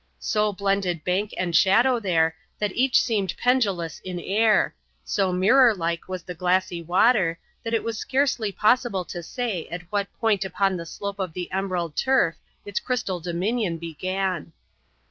So blended bank and shadow there That each seemed pendulous in air— so mirror like was the glassy water, that it was scarcely possible to say at what point upon the slope of the emerald turf its crystal dominion began.